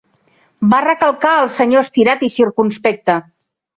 Va recalcar el senyor estirat i circumspecte.